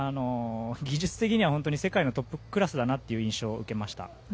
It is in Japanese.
技術的には本当に世界のトップクラスだなっていう印象を受けました。